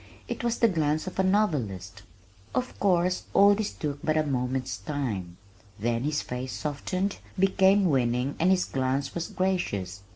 It was the glance of a novelist. Of course all this took but a moment's time. Then his face softened, became winning and his glance was gracious.